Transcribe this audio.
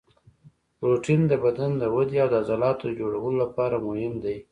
پروټین د بدن د ودې او د عضلاتو د جوړولو لپاره مهم دی